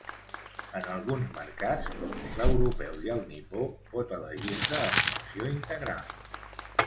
En alguns mercats, com l'europeu i el nipó, pot elegir-se amb tracció integral.